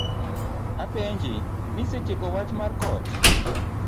Apenji, nisetieko wach mar kot?